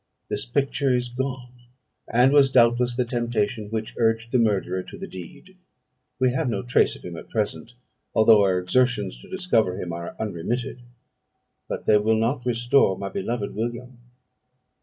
This picture is gone, and was doubtless the temptation which urged the murderer to the deed. We have no trace of him at present, although our exertions to discover him are unremitted; but they will not restore my beloved William!